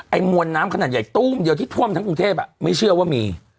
มวลน้ำขนาดใหญ่ตู้มเดียวที่ท่วมทั้งกรุงเทพไม่เชื่อว่ามี